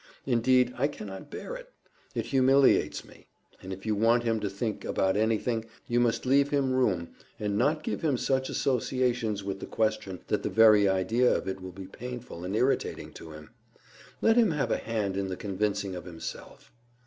Indeed I cannot bear it. It humiliates me. And if you want him to think about anything, you must leave him room, and not give him such associations with the question that the very idea of it will be painful and irritating to him. Let him have a hand in the convincing of himself.